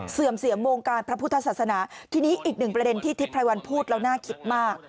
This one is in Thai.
เสื่อมเสียมวงการพระพุทธศาสนาทีนี้อีกหนึ่งประเด็นที่ทิพรายวันพูดแล้วน่าคิดมาก